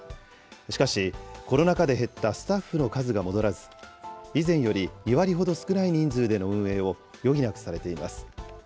しかし、コロナ禍で減ったスタッフの数が戻らず、以前より２割ほど少ない人数での運営を余儀なくされています。